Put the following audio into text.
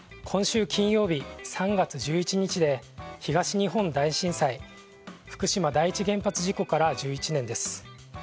今週金曜日３月１１日で東日本大震災福島第一原発事故から１１年です。